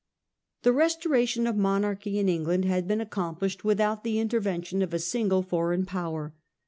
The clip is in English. The restoration of monarchy in England had been accomplished without the intervention of a single foreign power.